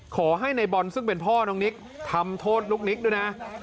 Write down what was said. ขอให้ในบอลซึ่งเป็นพ่อน้องนิกทำโทษลูกนิกด้วยนะ